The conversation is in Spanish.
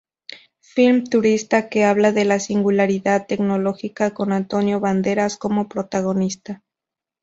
Film futurista que habla de la singularidad tecnológica con Antonio Banderas como protagonista.